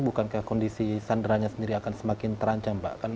bukankah kondisi sanderanya sendiri akan semakin terancam pak